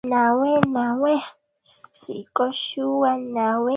Nyanya hustawi kwenye aina zote za udongo kuanzia udongo wa kichanga mweupe wa tifutifu